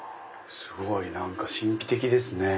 すごい何か神秘的ですね。